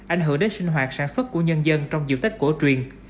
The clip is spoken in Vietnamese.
ảnh hưởng đến sinh hoạt sản xuất của nhân dân trong dịp tết cổ truyền